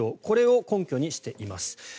これを根拠にしています。